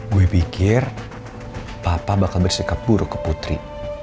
gue pikir papa bakal bersikap buruk ke putri